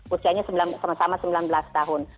usianya sama sama sembilan belas tahun